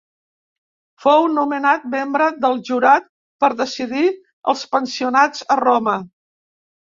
Fou nomenat membre del jurat per decidir els pensionats a Roma.